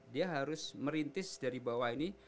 dia harus merintis dari bawah ini